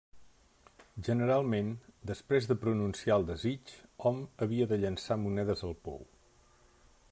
Generalment, després de pronunciar el desig, hom havia de llançar monedes al pou.